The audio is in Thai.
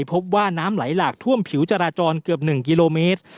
พบว่าน้ำไหลหลากท่วมผิวจราจรเกือบ๑กิโลเมตร